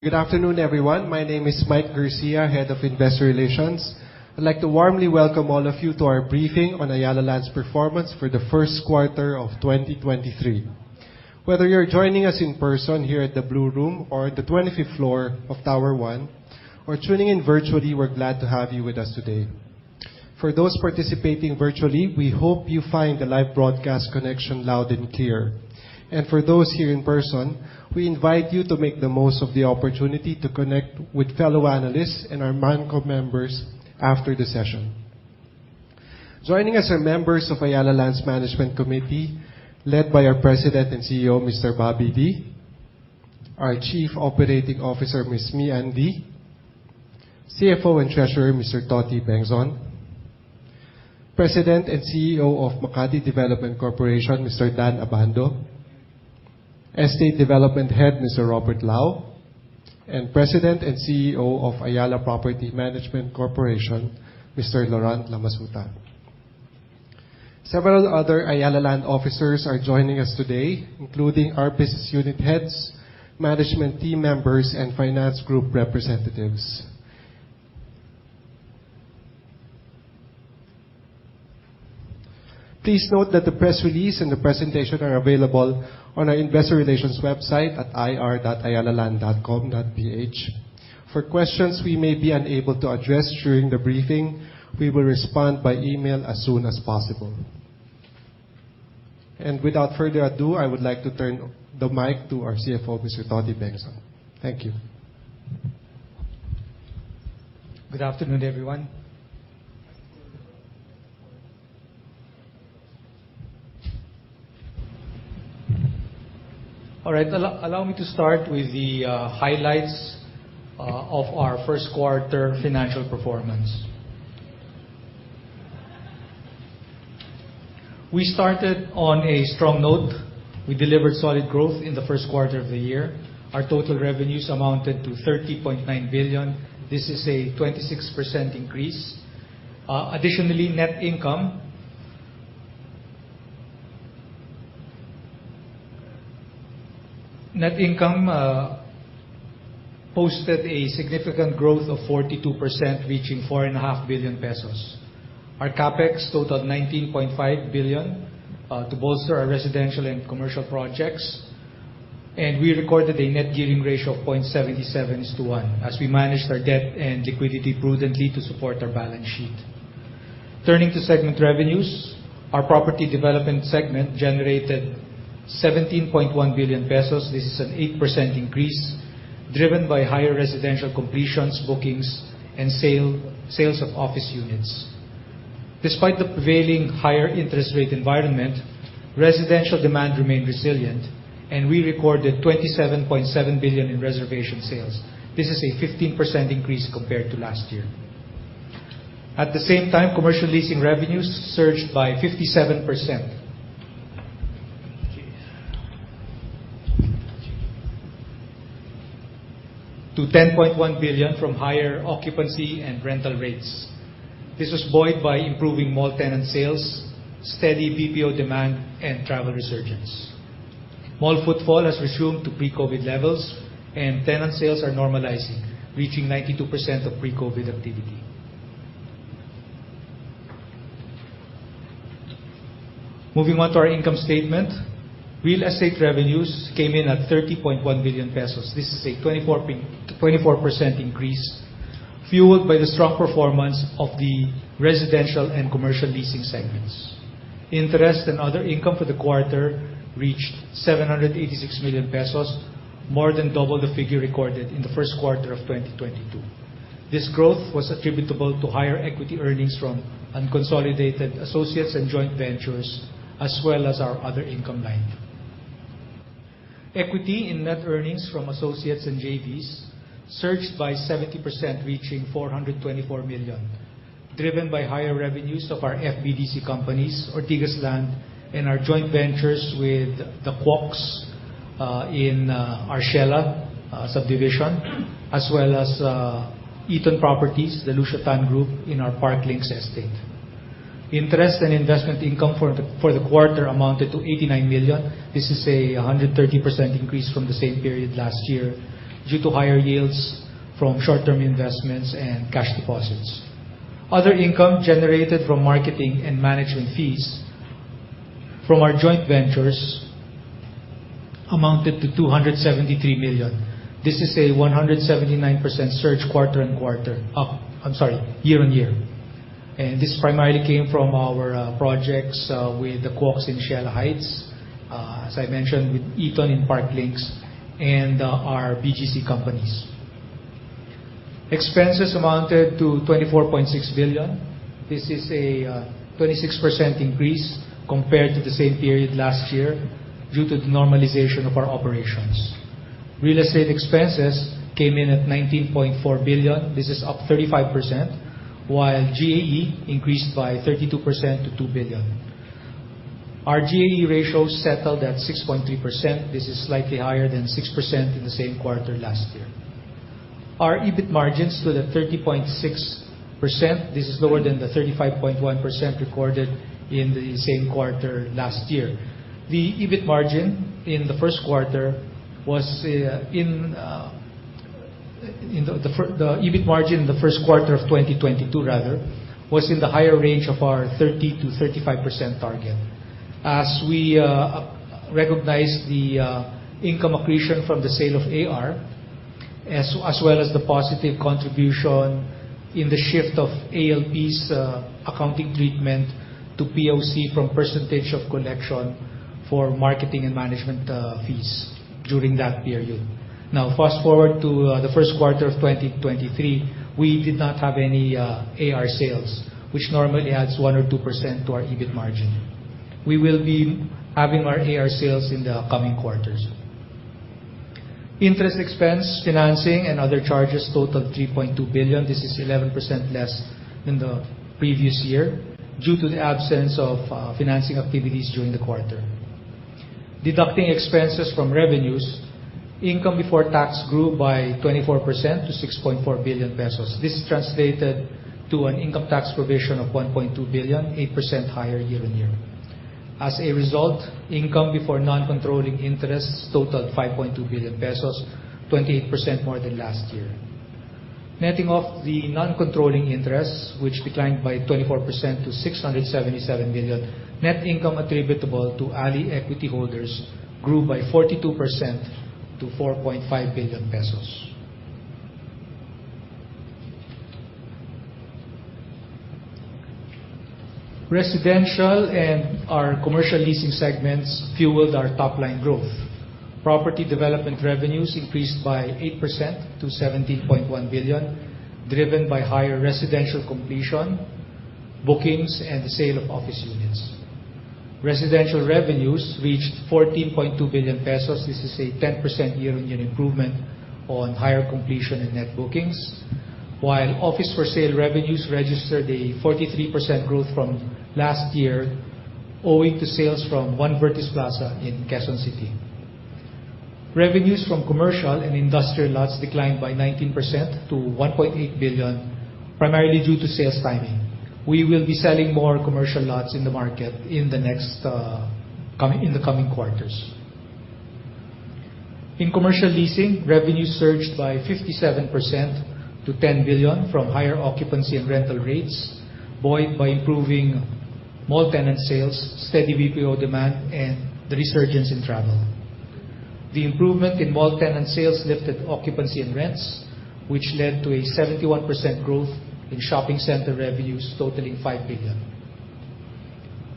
Good afternoon, everyone. My name is Mike Garcia, Head of Investor Relations. I'd like to warmly welcome all of you to our briefing on Ayala Land's performance for the first quarter of 2023. Whether you're joining us in person here at the Blue Room or the 25th floor of Tower One, or tuning in virtually, we're glad to have you with us today. For those participating virtually, we hope you find the live broadcast connection loud and clear. For those here in person, we invite you to make the most of the opportunity to connect with fellow analysts and our Mancom members after the session. Joining us are members of Ayala Land's Management Committee, led by our President and CEO, Mr. Bobby Dy; our Chief Operating Officer, Ms. Mia Dy; CFO and Treasurer, Mr. Toti Bengzon; President and CEO of Makati Development Corporation, Mr. Dan Abando; Estate Development Head, Mr. Robert Lao; and President and CEO of Ayala Property Management Corporation, Mr. Laurent Lamasuta. Several other Ayala Land officers are joining us today, including our business unit heads, management team members, and finance group representatives. Please note that the press release and the presentation are available on our investor relations website at ir.ayalaland.com.ph. For questions we may be unable to address during the briefing, we will respond by email as soon as possible. Without further ado, I would like to turn the mic to our CFO, Mr. Toti Bengzon. Thank you. Good afternoon, everyone. Good afternoon. All right. Allow me to start with the highlights of our first quarter financial performance. We started on a strong note. We delivered solid growth in the first quarter of the year. Our total revenues amounted to 30.9 billion. This is a 26% increase. Additionally, net income posted a significant growth of 42%, reaching 4.5 billion pesos. Our CapEx totaled 19.5 billion to bolster our residential and commercial projects, and we recorded a net gearing ratio of 0.77:1 as we managed our debt and liquidity prudently to support our balance sheet. Turning to segment revenues, our property development segment generated 17.1 billion pesos. This is an 8% increase driven by higher residential completions, bookings, and sales of office units. Despite the prevailing higher interest rate environment, residential demand remained resilient and we recorded 27.7 billion in reservation sales. This is a 15% increase compared to last year. At the same time, commercial leasing revenues surged by 57% to 10.1 billion from higher occupancy and rental rates. This was buoyed by improving mall tenant sales, steady BPO demand, and travel resurgence. Mall footfall has resumed to pre-COVID levels, and tenant sales are normalizing, reaching 92% of pre-COVID activity. Moving on to our income statement. Real estate revenues came in at 30.1 billion pesos. This is a 24% increase fueled by the strong performance of the residential and commercial leasing segments. Interest and other income for the quarter reached 786 million pesos, more than double the figure recorded in the first quarter of 2022. This growth was attributable to higher equity earnings from unconsolidated associates and joint ventures, as well as our other income line. Equity and net earnings from associates and JVs surged by 70%, reaching 424 million, driven by higher revenues of our FBTC companies, Ortigas Land, and our joint ventures with the Kuok's in Arcela subdivision, as well as Eton Properties, the Lucio Tan Group in our Parklinks estate. Interest and investment income for the quarter amounted to 89 million. This is a 130% increase from the same period last year due to higher yields from short-term investments and cash deposits. Other income generated from marketing and management fees from our joint ventures amounted to 273 million. This is a 179% surge year-on-year, and this primarily came from our projects with the Kuok's in Arcela Heights, as I mentioned, with Eton in Parklinks and our BGC companies. Expenses amounted to 24.6 billion. This is a 26% increase compared to the same period last year due to the normalization of our operations. Real estate expenses came in at 19.4 billion. This is up 35%, while GAE increased by 32% to 2 billion. Our GAE ratio settled at 6.3%. This is slightly higher than 6% in the same quarter last year. Our EBIT margins to the 30.6%. This is lower than the 35.1% recorded in the same quarter last year. The EBIT margin in the first quarter of 2022 was in the higher range of our 30%-35% target. As we recognized the income accretion from the sale of AR, as well as the positive contribution in the shift of ALP's accounting treatment to POC from percentage of collection for marketing and management fees during that period. Fast-forward to the first quarter of 2023, we did not have any AR sales, which normally adds 1% or 2% to our EBIT margin. We will be having more AR sales in the coming quarters. Interest expense, financing, and other charges totaled 3.2 billion. This is 11% less than the previous year due to the absence of financing activities during the quarter. Deducting expenses from revenues, income before tax grew by 24% to 6.4 billion pesos. This translated to an income tax provision of 1.2 billion, 8% higher year-on-year. As a result, income before non-controlling interests totaled 5.2 billion pesos, 28% more than last year. Netting off the non-controlling interests, which declined by 24% to 677 million, net income attributable to ALI equity holders grew by 42% to 4.5 billion pesos. Residential and our commercial leasing segments fueled our top-line growth. Property development revenues increased by 8% to 17.1 billion, driven by higher residential completion, bookings, and the sale of office units. Residential revenues reached 14.2 billion pesos. This is a 10% year-on-year improvement on higher completion and net bookings, while office-for-sale revenues registered a 43% growth from last year owing to sales from One Vertis Plaza in Quezon City. Revenues from commercial and industrial lots declined by 19% to 1.8 billion, primarily due to sales timing. We will be selling more commercial lots in the market in the coming quarters. In commercial leasing, revenues surged by 57% to 10 billion from higher occupancy and rental rates, buoyed by improving mall tenant sales, steady BPO demand, and the resurgence in travel. The improvement in mall tenant sales lifted occupancy and rents, which led to a 71% growth in shopping center revenues totaling 5 billion.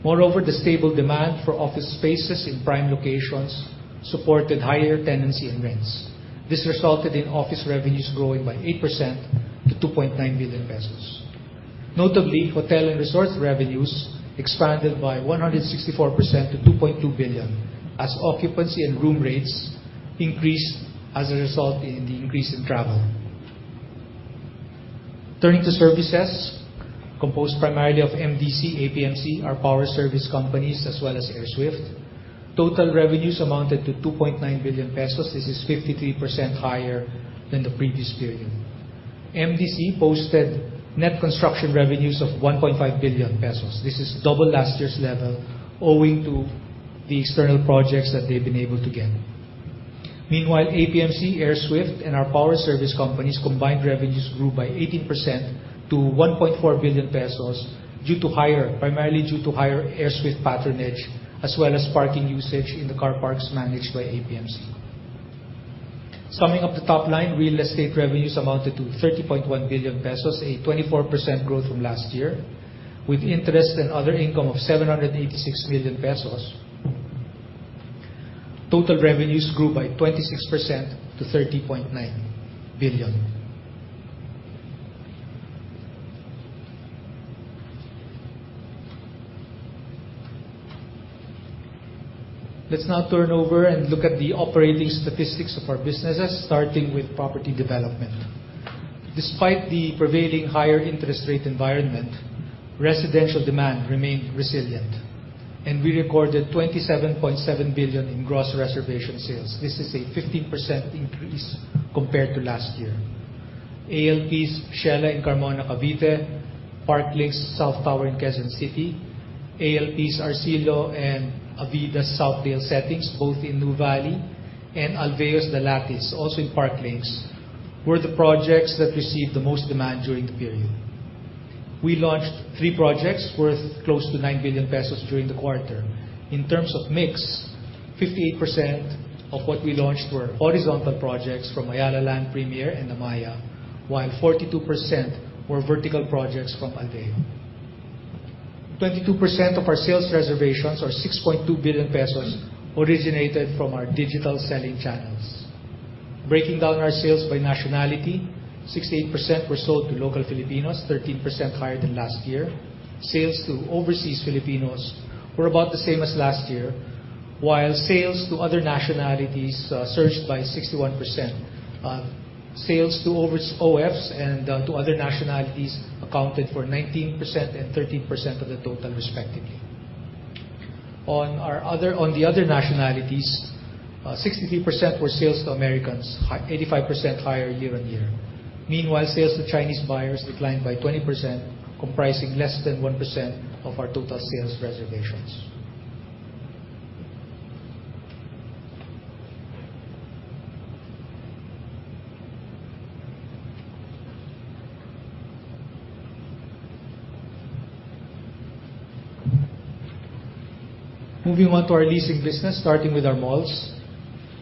The stable demand for office spaces in prime locations supported higher tenancy and rents. This resulted in office revenues growing by 8% to 2.9 billion pesos. Notably, hotel and resort revenues expanded by 164% to 2.2 billion, as occupancy and room rates increased as a result in the increase in travel. Turning to services, composed primarily of MDC, APMC, our power service companies, as well as AirSWIFT, total revenues amounted to 2.9 billion pesos. This is 53% higher than the previous period. MDC posted net construction revenues of 1.5 billion pesos. This is double last year's level owing to the external projects that they've been able to get. Meanwhile, APMC, AirSWIFT, and our power service companies' combined revenues grew by 18% to 1.4 billion pesos, primarily due to higher AirSWIFT patronage as well as parking usage in the car parks managed by APMC. Summing up the top-line, real estate revenues amounted to 30.1 billion pesos, a 24% growth from last year, with interest and other income of 786 million pesos. Total revenues grew by 26% to 30.9 billion. Turn over and look at the operating statistics of our businesses, starting with property development. Despite the prevailing higher interest rate environment, residential demand remained resilient, and we recorded 27.7 billion in gross reservation sales. This is a 15% increase compared to last year. ALP's Ciela in Carmona, Cavite, Parklinks South Tower in Quezon City, ALP's Arcilo and Avida's Southdale Settings both in Nuvali, and Alveo's Dalatis, also in Parklinks, were the projects that received the most demand during the period. We launched three projects worth close to 9 billion pesos during the quarter. In terms of mix, 58% of what we launched were horizontal projects from Ayala Land Premier and Amaia, while 42% were vertical projects from Alveo. 22% of our sales reservations, or 6.2 billion pesos, originated from our digital selling channels. Breaking down our sales by nationality, 68% were sold to local Filipinos, 13% higher than last year. Sales to overseas Filipinos were about the same as last year, while sales to other nationalities surged by 61%. Sales to OFs and to other nationalities accounted for 19% and 13% of the total, respectively. On the other nationalities, 63% were sales to Americans, 85% higher year-on-year. Meanwhile, sales to Chinese buyers declined by 20%, comprising less than 1% of our total sales reservations. Moving on to our leasing business, starting with our malls.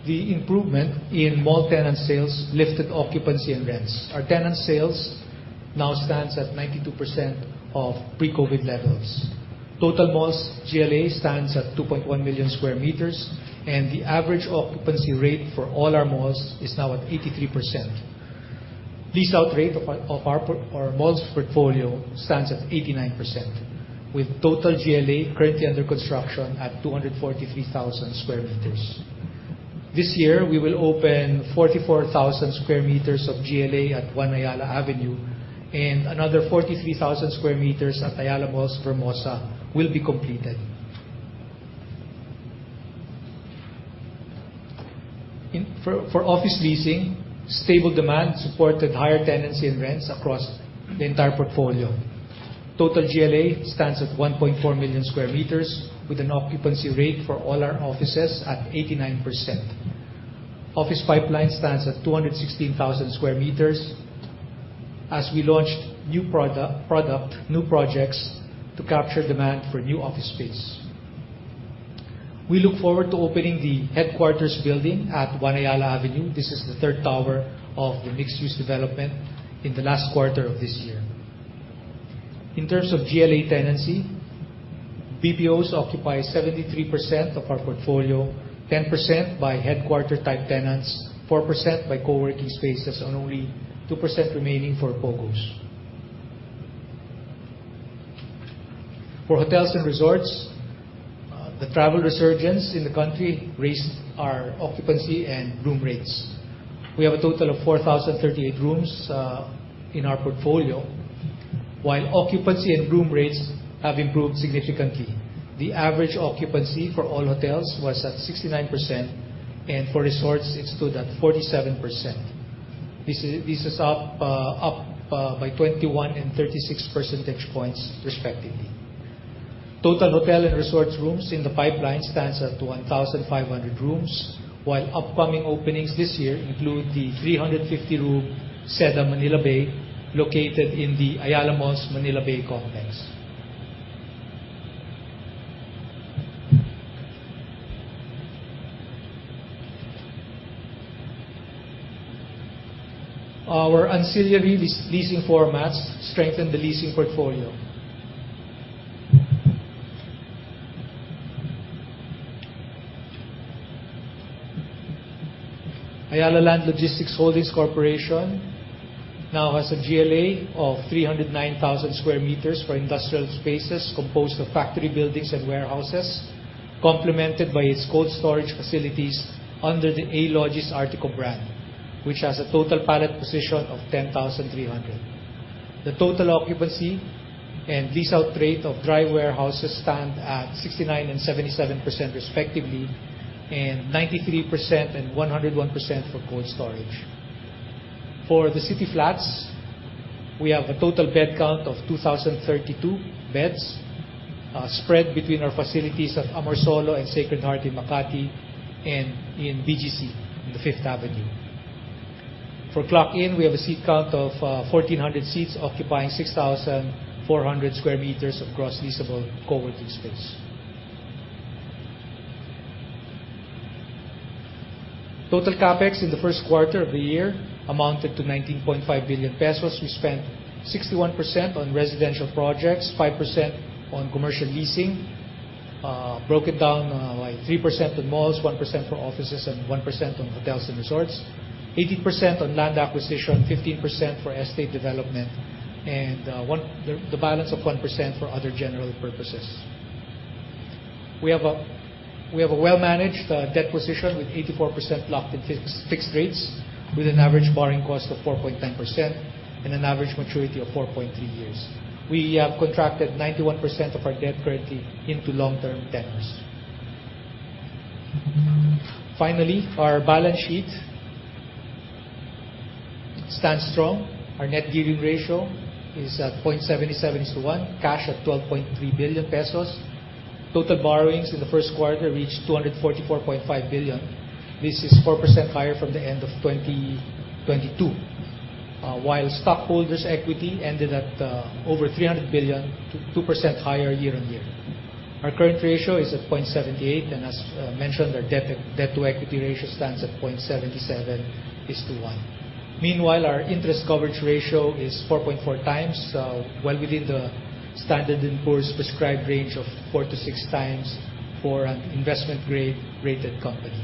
The improvement in mall tenant sales lifted occupancy and rents. Our tenant sales now stands at 92% of pre-COVID levels. Total malls GLA stands at 2.1 million sq m, and the average occupancy rate for all our malls is now at 83%. Leased-out rate of our malls' portfolio stands at 89%, with total GLA currently under construction at 243,000 sq m. This year, we will open 44,000 sq m of GLA at One Ayala Avenue and another 43,000 sq m at Ayala Malls Vermosa will be completed. For office leasing, stable demand supported higher tenancy and rents across the entire portfolio. Total GLA stands at 1.4 million sq m with an occupancy rate for all our offices at 89%. Office pipeline stands at 216,000 sq m as we launched new projects to capture demand for new office space. We look forward to opening the headquarters building at One Ayala Avenue, this is the third tower of the mixed-use development, in the last quarter of this year. In terms of GLA tenancy, BPOs occupy 73% of our portfolio, 10% by headquarter-type tenants, 4% by co-working spaces, and only 2% remaining for POGOs. For hotels and resorts, the travel resurgence in the country raised our occupancy and room rates. We have a total of 4,038 rooms in our portfolio, while occupancy and room rates have improved significantly. The average occupancy for all hotels was at 69%, and for resorts, it stood at 47%. This is up by 21 and 36 percentage points respectively. Total hotel and resorts rooms in the pipeline stands at 1,500 rooms, while upcoming openings this year include the 350-room Seda Manila Bay, located in the Ayala Malls Manila Bay complex. Our ancillary leasing formats strengthen the leasing portfolio. AyalaLand Logistics Holdings Corporation now has a GLA of 309,000 sq m for industrial spaces composed of factory buildings and warehouses, complemented by its cold storage facilities under the ALogis Artico brand, which has a total pallet position of 10,300. The total occupancy and lease-out rate of dry warehouses stand at 69% and 77%, respectively, and 93% and 101% for cold storage. For the city flats, we have a total bed count of 2,032 beds spread between our facilities at Amorsolo and Sacred Heart in Makati and in BGC, the Fifth Avenue. For Clock In, we have a seat count of 1,400 seats occupying 6,400 sq m of gross leasable co-working space. Total CapEx in the first quarter of the year amounted to 19.5 billion pesos. We spent 61% on residential projects, 5% on commercial leasing, broken down like 3% on malls, 1% for offices, and 1% on hotels and resorts, 18% on land acquisition, 15% for estate development, and the balance of 1% for other general purposes. We have a well-managed debt position with 84% locked in fixed rates with an average borrowing cost of 4.9% and an average maturity of 4.3 years. We have contracted 91% of our debt currently into long-term tenors. Finally, our balance sheet stands strong. Our net gearing ratio is at 0.77 is to 1, cash at 12.3 billion pesos. Total borrowings in the first quarter reached 244.5 billion. This is 4% higher from the end of 2022. While stockholders' equity ended at over 300 billion, 2% higher year-on-year. Our current ratio is at 0.78. As mentioned, our debt to equity ratio stands at 0.77 is to 1. Meanwhile, our interest coverage ratio is 4.4 times, well within the Standard & Poor's prescribed range of four to six times for an investment-grade rated company.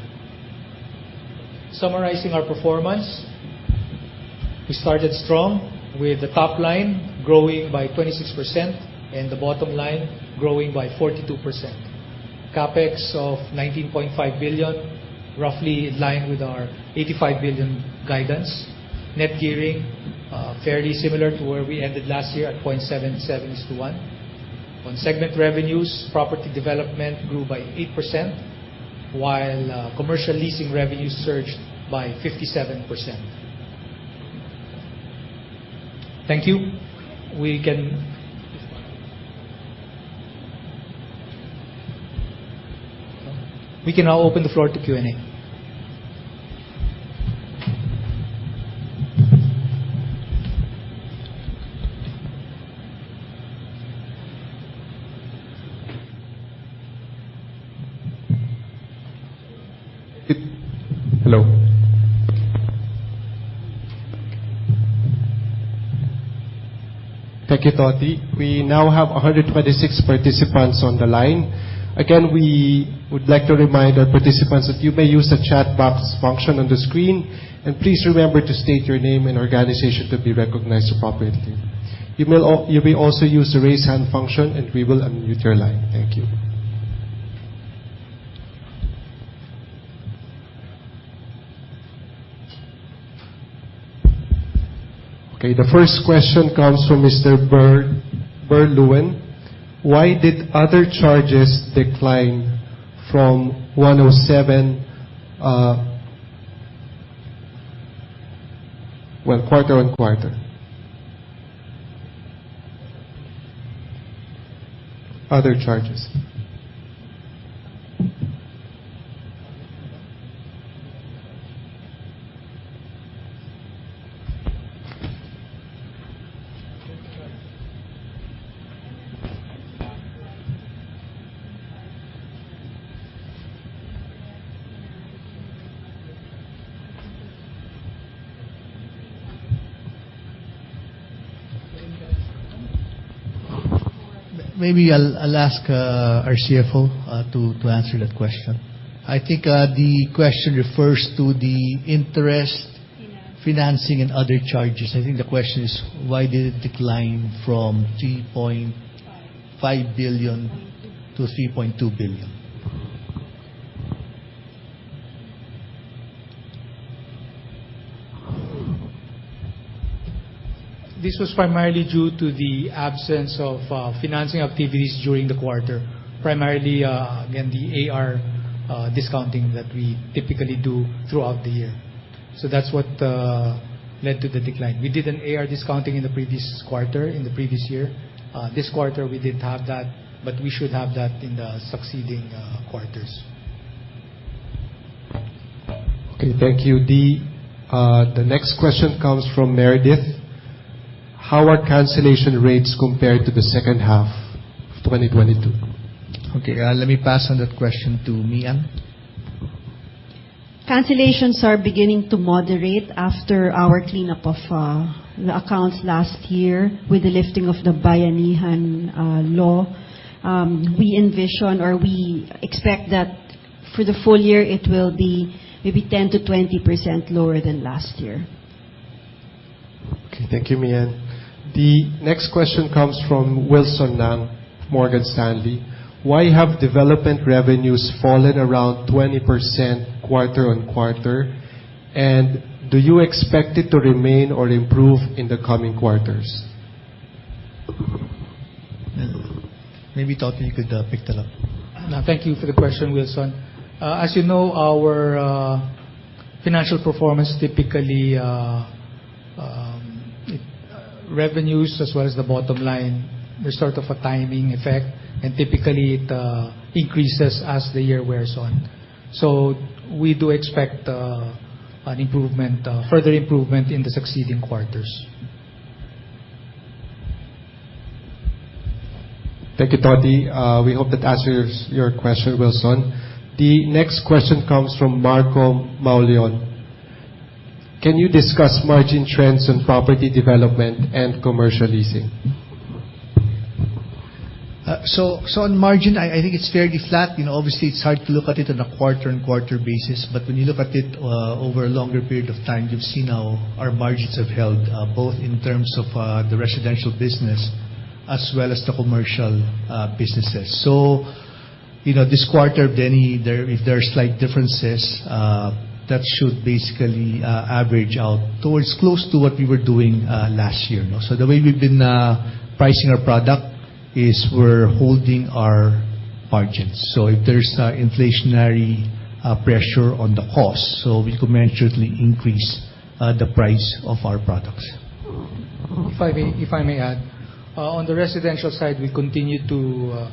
Summarizing our performance, we started strong with the top line growing by 26% and the bottom line growing by 42%. CapEx of 19.5 billion, roughly in line with our 85 billion guidance. Net gearing fairly similar to where we ended last year at 0.771. On segment revenues, property development grew by 8%, while commercial leasing revenues surged by 57%. Thank you. We can now open the floor to Q&A. Hello. Thank you, Totie. We now have 126 participants on the line. Again, we would like to remind our participants that you may use the chat box function on the screen, and please remember to state your name and organization to be recognized appropriately. You may also use the raise hand function, and we will unmute your line. Thank you. Okay, the first question comes from Mr. Berlauen. Why did other charges decline from 107 quarter-on-quarter? Other charges. Maybe I'll ask our CFO to answer that question. I think the question refers to the interest- Financing financing and other charges. I think the question is why did it decline from 3.5 billion to 3.2 billion? This was primarily due to the absence of financing activities during the quarter. Primarily, again, the AR discounting that we typically do throughout the year. That's what led to the decline. We did an AR discounting in the previous quarter, in the previous year. This quarter, we didn't have that, but we should have that in the succeeding quarters. Okay, thank you. The next question comes from Meredith. How are cancellation rates compared to the second half of 2022? Okay, let me pass on that question to Mian. Cancellations are beginning to moderate after our cleanup of the accounts last year with the lifting of the Bayanihan Law. We envision, or we expect that for the full year it will be maybe 10%-20% lower than last year. Okay. Thank you, Meean. The next question comes from Wilson Ng, Morgan Stanley. Why have development revenues fallen around 20% quarter-on-quarter, and do you expect it to remain or improve in the coming quarters? Maybe, Totie, you could pick that up. Thank you for the question, Wilson. As you know, our financial performance, typically, revenues as well as the bottom line, there's sort of a timing effect, and typically it increases as the year wears on. We do expect further improvement in the succeeding quarters. Thank you, Totie. We hope that answers your question, Wilson. The next question comes from Marco Maoleon. Can you discuss margin trends on property development and commercial leasing? On margin, I think it's fairly flat. Obviously, it's hard to look at it on a quarter-on-quarter basis. When you look at it over a longer period of time, you've seen how our margins have held, both in terms of the residential business as well as the commercial businesses. This quarter, if there are slight differences, that should basically average out towards close to what we were doing last year. The way we've been pricing our product is we're holding our margins. If there's inflationary pressure on the cost, we could gradually increase the price of our products. If I may add, on the residential side, we continue to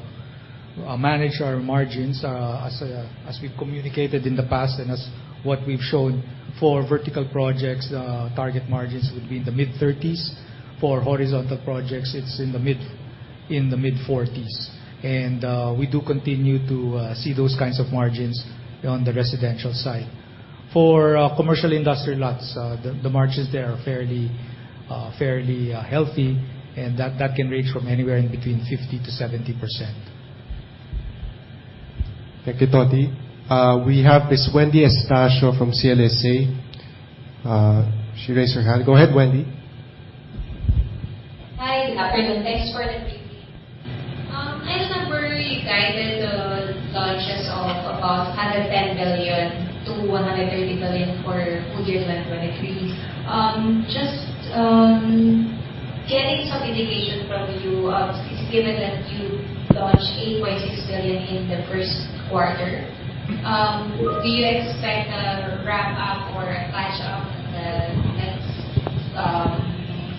manage our margins as we've communicated in the past and as what we've shown for vertical projects, target margins would be in the mid-30s. For horizontal projects, it's in the mid-40s. We do continue to see those kinds of margins on the residential side. For commercial industrial lots, the margins there are fairly healthy, and that can range from anywhere in between 50%-70%. Thank you, Totie. We have Ms. Wendy Estacio-Cruz from CLSA. She raised her hand. Go ahead, Wendy. Hi, good afternoon. Thanks for the. I remember you guided the launches of about 110 billion-130 billion for full year 2023. Just getting some indication from you, given that you launched 8.6 billion in the first quarter, do you expect a ramp-up or a catch up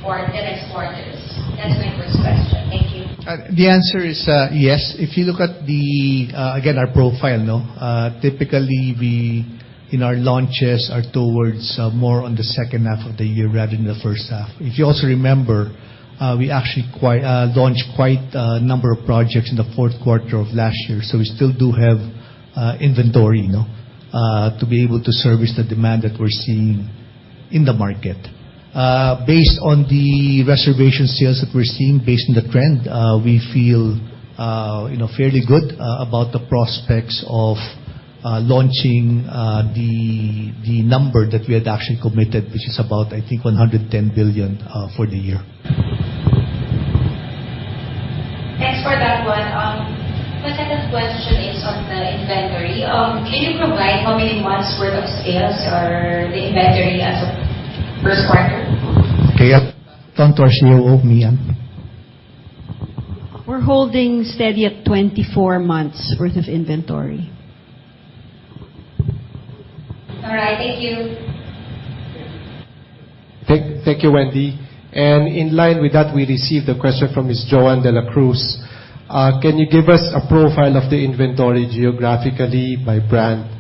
for the next quarters? That's my first question. Thank you. The answer is yes. If you look at, again, our profile, typically, our launches are towards more on the second half of the year rather than the first half. If you also remember, we actually launched quite a number of projects in the fourth quarter of last year. We still do have inventory to be able to service the demand that we're seeing in the market. Based on the reservation sales that we're seeing, based on the trend, we feel fairly good about the prospects of launching the number that we had actually committed, which is about, I think, 110 billion for the year. Thanks for that one. My second question is on the inventory. Can you provide how many months worth of sales are the inventory as of first quarter? Okay. Donnie Tantoco or Mian. We're holding steady at 24 months worth of inventory. All right. Thank you. Thank you, Wendy. In line with that, we received a question from Ms. Joan dela Cruz. Can you give us a profile of the inventory geographically by brand?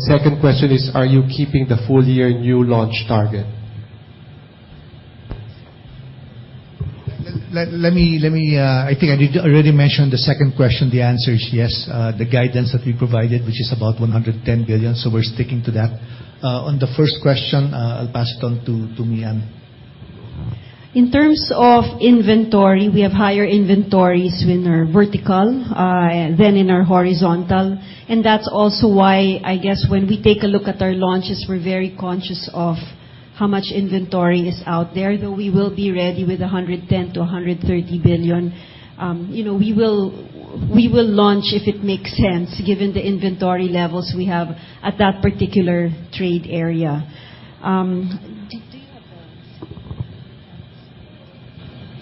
Second question is, are you keeping the full year new launch target? I think I already mentioned the second question. The answer is yes. The guidance that we provided, which is about 110 billion, so we're sticking to that. On the first question, I'll pass it on to Mian. In terms of inventory, we have higher inventories in our vertical than in our horizontal. That's also why, I guess, when we take a look at our launches, we're very conscious of how much inventory is out there, though we will be ready with 110 billion-130 billion. We will launch if it makes sense given the inventory levels we have at that particular trade area.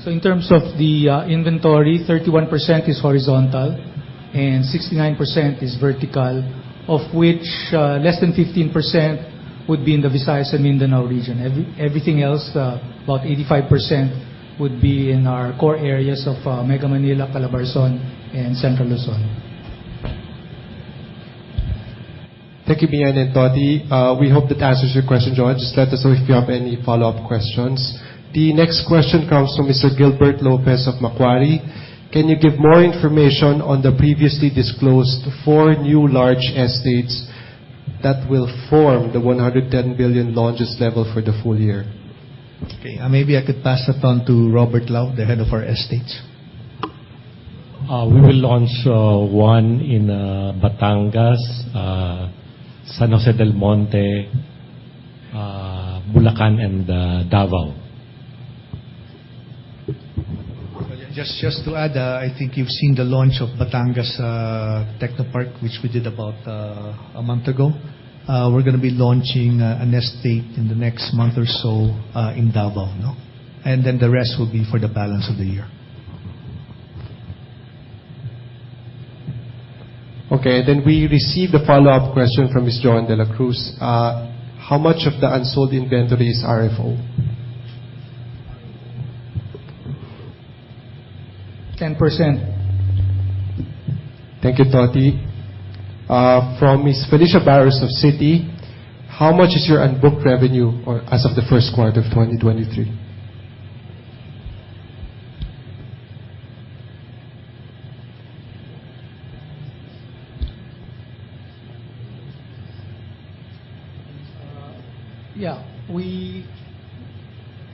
Do you have those? In terms of the inventory, 31% is horizontal and 69% is vertical, of which less than 15% would be in the Visayas and Mindanao region. Everything else, about 85%, would be in our core areas of Mega Manila, Calabarzon, and Central Luzon. Thank you, Mian and Tonnie. We hope that answers your question, Joan. Just let us know if you have any follow-up questions. The next question comes from Mr. Gilbert Lopez of Macquarie. Can you give more information on the previously disclosed four new large estates that will form the 110 billion launches level for the full year? Okay. Maybe I could pass that on to Robert Lao, the head of our estates. We will launch one in Batangas, San Jose del Monte, Bulacan, and Davao. Just to add, I think you've seen the launch of Batangas Technopark, which we did about a month ago. We're going to be launching an estate in the next month or so in Davao. The rest will be for the balance of the year. Okay. We received a follow-up question from Ms. Joan dela Cruz. How much of the unsold inventory is RFO? 10%. Thank you, Tonnie. From Ms. Felicia Barros of Citi. How much is your unbooked revenue as of the first quarter of 2023? Yeah.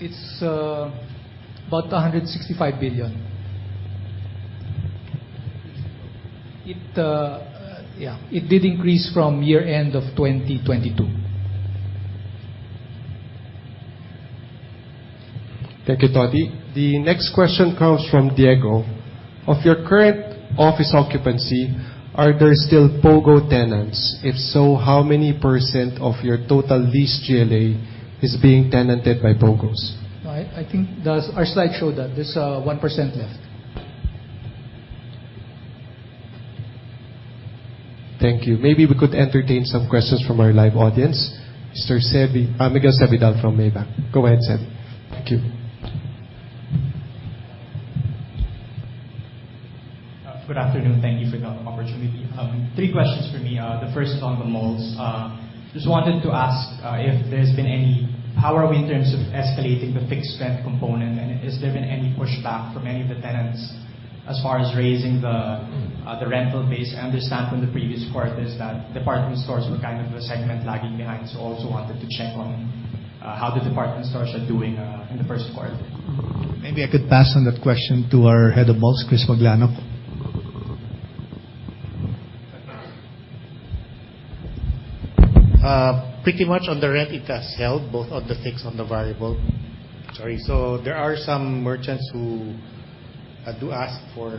It is about PHP 165 billion. It did increase from year-end of 2022. Thank you, Tonnie. The next question comes from Diego. Of your current office occupancy, are there still POGO tenants? If so, how many % of your total leased GLA is being tenanted by POGOs? I think our slide showed that. There is 1% left. Thank you. Maybe we could entertain some questions from our live audience. Mr. Miguel Sevidal from Maybank. Go ahead, Seb. Thank you. Good afternoon. Thank you for the opportunity. Three questions for me. The first is on the malls. Just wanted to ask if there has been any power in terms of escalating the fixed rent component, and has there been any pushback from any of the tenants as far as raising the rental base? I understand from the previous quarters that department stores were kind of the segment lagging behind. Also wanted to check on how the department stores are doing in the first quarter. Maybe I could pass on that question to our head of malls, Chris Maglanoc. Pretty much on the rent it has held both on the fixed on the variable. Sorry. There are some merchants who do ask for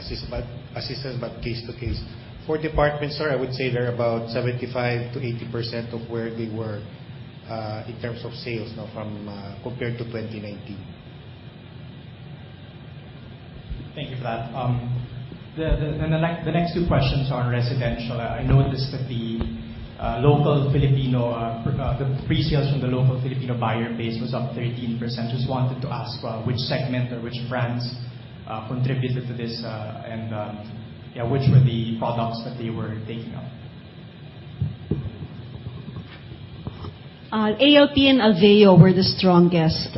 assistance, but case to case. For departments, sir, I would say they are about 75%-80% of where they were in terms of sales now compared to 2019. Thank you for that. The next two questions are on residential. I noticed that the pre-sales from the local Filipino buyer base was up 13%. Just wanted to ask which segment or which brands contributed to this and which were the products that they were taking up? ALP and Alveo were the strongest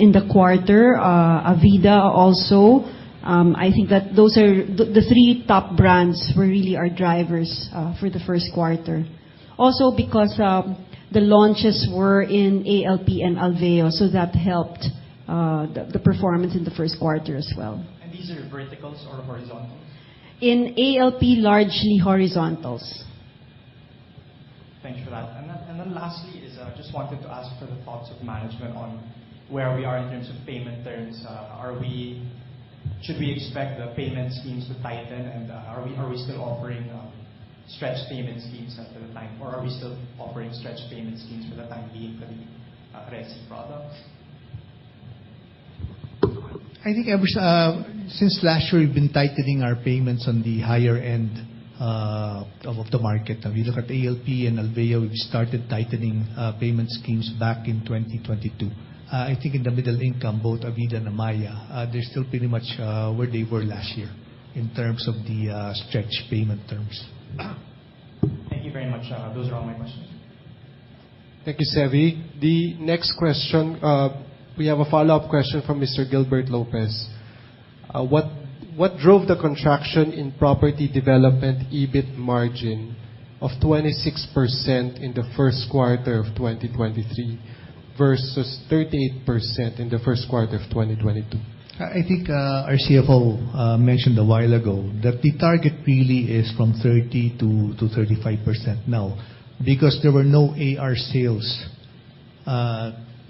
in the quarter. Avida also. I think that those are the three top brands were really our drivers for the first quarter. Also because the launches were in ALP and Alveo, that helped the performance in the first quarter as well. These are verticals or horizontals? In ALP, largely horizontals. Thanks for that. Lastly is I just wanted to ask for the thoughts of management on where we are in terms of payment terms. Should we expect the payment schemes to tighten and are we still offering stretch payment schemes for the time being for the resi products? I think ever since last year, we've been tightening our payments on the higher end of the market. If you look at ALP and Alveo, we've started tightening payment schemes back in 2022. I think in the middle income, both Avida and Amaia they're still pretty much where they were last year in terms of the stretch payment terms. Thank you very much. Those are all my questions. Thank you, Sevy. The next question we have a follow-up question from Mr. Gilbert Lopez. What drove the contraction in property development EBIT margin of 26% in the first quarter of 2023 versus 38% in the first quarter of 2022? I think our CFO mentioned a while ago that the target really is from 30%-35% now because there were no AR sales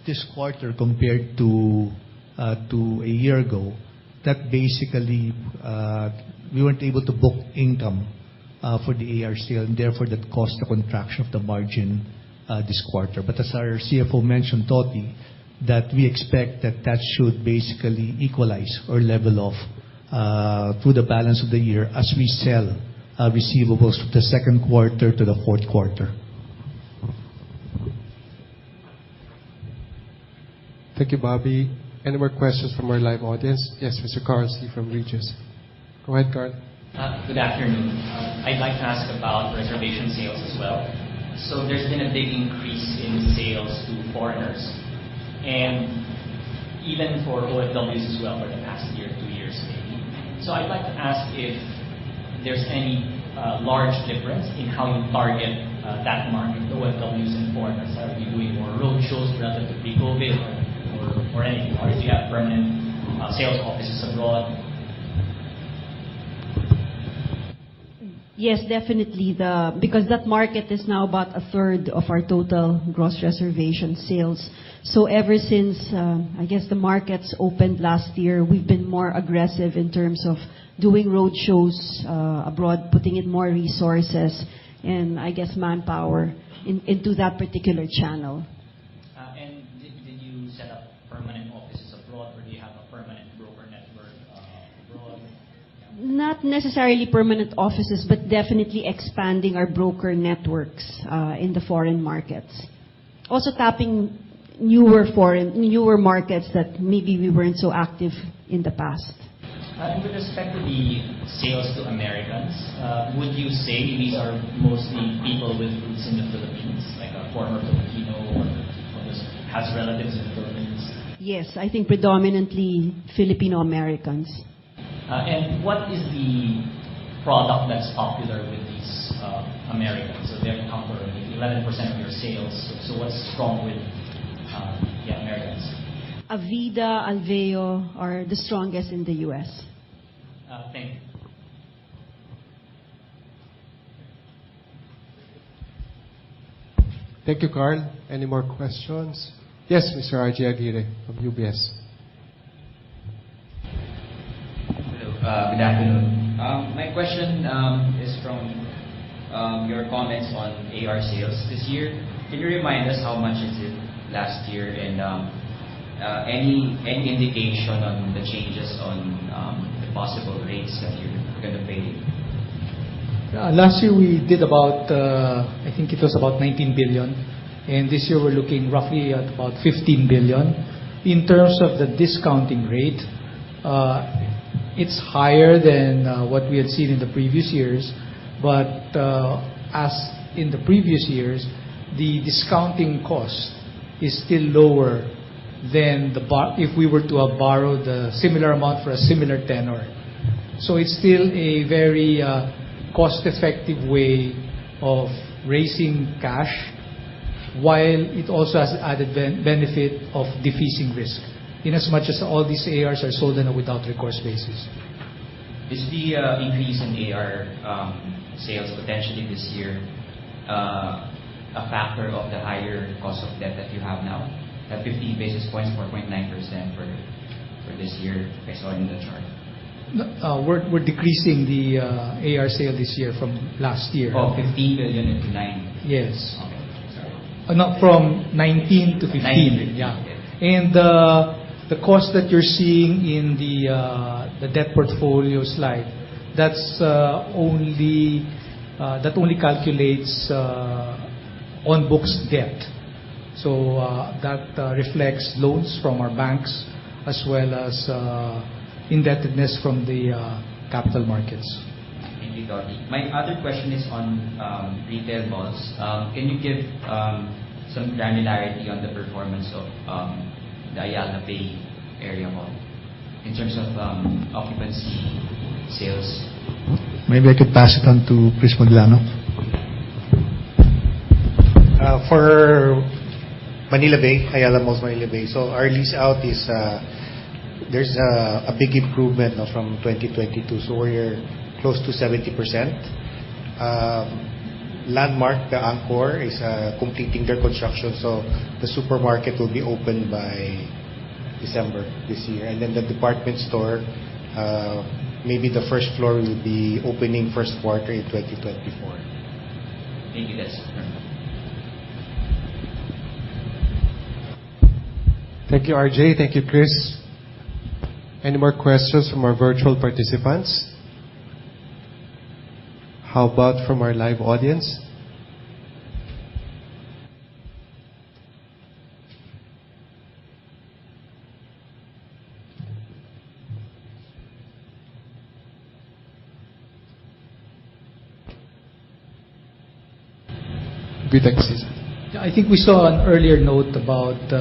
this quarter compared to a year ago, that basically we weren't able to book income for the AR sale, and therefore that caused the contraction of the margin this quarter. As our CFO mentioned, Totie, that we expect that that should basically equalize or level off through the balance of the year as we sell receivables from the second quarter to the fourth quarter. Thank you, Bobby. Any more questions from our live audience? Yes, Mr. Carl Sy from Regis. Go ahead, Carl. Good afternoon. I'd like to ask about reservation sales as well. There's been a big increase in sales to foreigners, and even for OFWs as well for the past one year, two years maybe. I'd like to ask if there's any large difference in how you target that market, OFWs and foreigners. Are you doing more road shows relative to pre-COVID or anything? Do you have permanent sales offices abroad? Yes, definitely, because that market is now about a third of our total gross reservation sales. Ever since the markets opened last year, we've been more aggressive in terms of doing road shows abroad, putting in more resources and manpower into that particular channel. Did you set up permanent offices abroad, or do you have a permanent broker network abroad? Not necessarily permanent offices, but definitely expanding our broker networks in the foreign markets. Also tapping newer markets that maybe we weren't so active in the past. With respect to the sales to Americans, would you say these are mostly people with roots in the Philippines, like a former Filipino or just has relatives in the Philippines? Yes, I think predominantly Filipino Americans. What is the product that is popular with these Americans? They account for 11% of your sales, what is strong with the Americans? Avida, Alveo are the strongest in the U.S. Thank you. Thank you, Carl. Any more questions? Yes, Mr. RJ Aguirre from UBS. Hello. Good afternoon. My question is from your comments on AR sales this year. Can you remind us how much is it last year and any indication on the changes on the possible rates that you're going to pay? Last year, we did about I think it was about 19 billion. This year we're looking roughly at about 15 billion. In terms of the discounting rate it's higher than what we had seen in the previous years. As in the previous years, the discounting cost is still lower than if we were to have borrowed a similar amount for a similar tenor. It's still a very cost-effective way of raising cash while it also has added benefit of defeasing risk, inasmuch as all these ARs are sold on a without recourse basis. Is the increase in AR sales potentially this year a factor of the higher cost of debt that you have now at 50 basis points, 4.9% for this year I saw in the chart? We're decreasing the AR sale this year from last year. Oh, 15 billion into 9 billion? Yes. Okay. I'm sorry. No, from 19 to 15. Nineteen. Yeah. The cost that you're seeing in the debt portfolio slide, that only calculates on books debt. That reflects loans from our banks as well as indebtedness from the capital markets. Thank you, Tony. My other question is on retail malls. Can you give some granularity on the performance of the Ayala Bay Area mall in terms of occupancy sales? Maybe I could pass it on to Chris Maglanoc. For Ayala Malls Manila Bay, our lease out, there's a big improvement from 2022. We're close to 70%. Landmark, The Anchor, is completing their construction. The supermarket will be open by December this year. The department store maybe the first floor will be opening first quarter in 2024. Thank you, guys. Thank you, RJ. Thank you, Chris. Any more questions from our virtual participants? How about from our live audience? Vitex, yes. I think we saw an earlier note about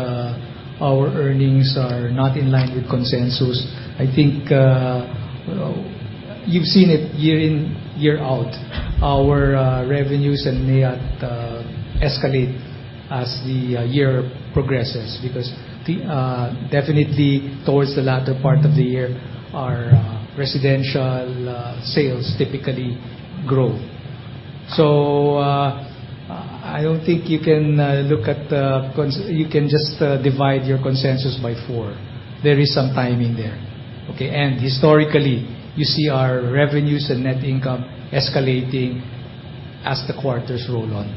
our earnings are not in line with consensus. I think you've seen it year in, year out, our revenues and NIAT escalate as the year progresses because definitely towards the latter part of the year, our residential sales typically grow. I don't think you can just divide your consensus by four. There is some timing there, okay? Historically, you see our revenues and net income escalating as the quarters roll on.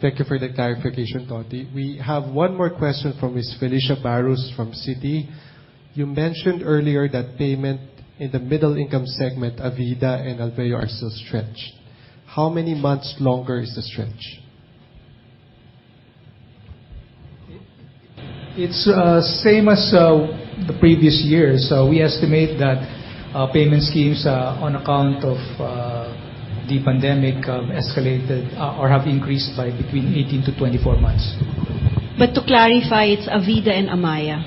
Thank you for that clarification, Tony. We have one more question from Miss Felicia Barros from Citi. You mentioned earlier that payment in the middle income segment, Avida and Alveo, are still stretched. How many months longer is the stretch? It's same as the previous years. We estimate that payment schemes on account of the pandemic escalated or have increased by between 18-24 months. To clarify, it's Avida and Amaia.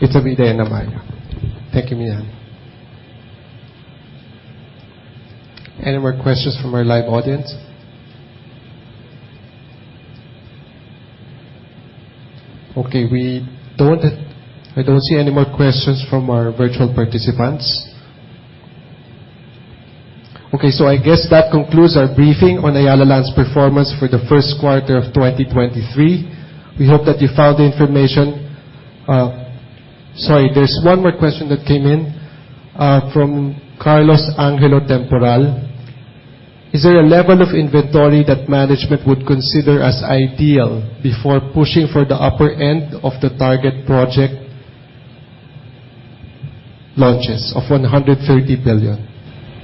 It's Avida and Amaia. Thank you, Mian. Any more questions from our live audience? I don't see any more questions from our virtual participants. I guess that concludes our briefing on Ayala Land's performance for the first quarter of 2023. We hope that you found the information. Sorry, there's one more question that came in from Carlos Angelo Temporal. Is there a level of inventory that management would consider as ideal before pushing for the upper end of the target project launches of 130 billion?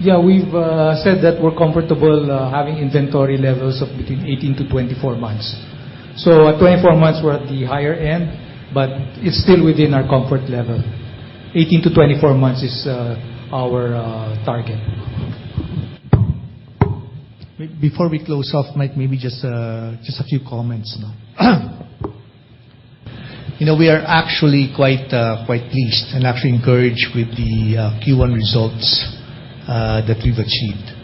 Yeah, we've said that we're comfortable having inventory levels of between 18 to 24 months. At 24 months, we're at the higher end, but it's still within our comfort level. 18 to 24 months is our target. Before we close off, Mike, maybe just a few comments. We are actually quite pleased and actually encouraged with the Q1 results that we've achieved.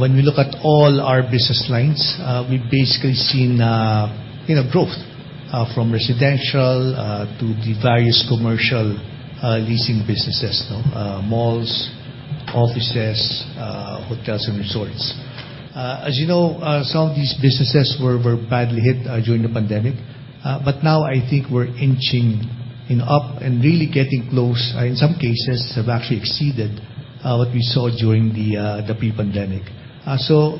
When we look at all our business lines, we've basically seen growth from residential to the various commercial leasing businesses, malls, offices, hotels and resorts. As you know, some of these businesses were very badly hit during the pandemic. Now I think we're inching up and really getting close, in some cases have actually exceeded what we saw during the pre-pandemic.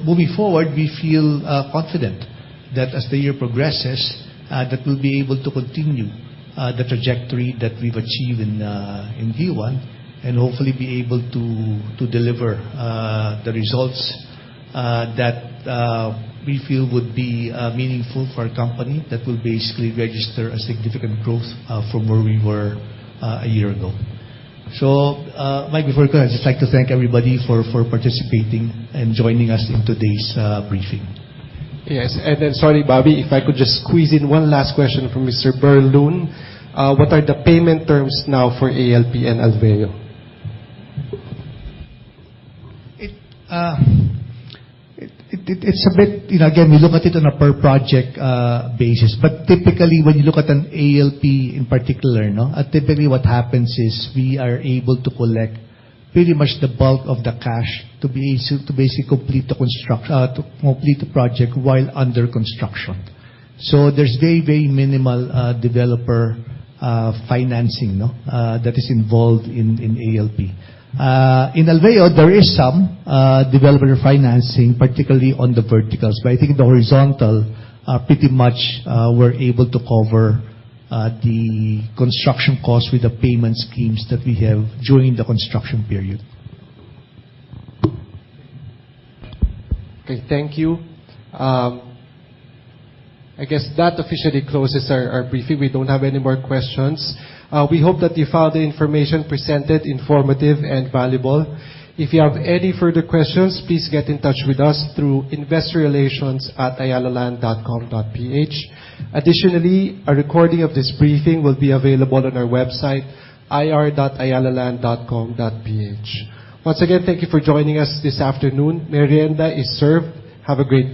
Moving forward, we feel confident that as the year progresses, that we'll be able to continue the trajectory that we've achieved in Q1 and hopefully be able to deliver the results that we feel would be meaningful for our company, that will basically register a significant growth from where we were a year ago. Mike, before we go, I'd just like to thank everybody for participating and joining us in today's briefing. Yes, sorry, Bobby, if I could just squeeze in one last question from Mr. Berloon. What are the payment terms now for ALP and Alveo? We look at it on a per project basis, typically, when you look at an ALP in particular, typically what happens is we are able to collect pretty much the bulk of the cash to basically complete the project while under construction. There's very minimal developer financing that is involved in ALP. In Alveo, there is some developer financing, particularly on the verticals, I think the horizontal pretty much we're able to cover the construction cost with the payment schemes that we have during the construction period. Thank you. I guess that officially closes our briefing. We don't have any more questions. We hope that you found the information presented informative and valuable. If you have any further questions, please get in touch with us through investorrelations@ayalaland.com.ph. Additionally, a recording of this briefing will be available on our website, ir.ayalaland.com.ph. Once again, thank you for joining us this afternoon. Merienda is served. Have a great day